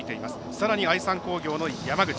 さらに愛三工業の山口。